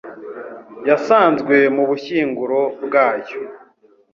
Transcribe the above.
yasanzwe mu bushyinguro bwayo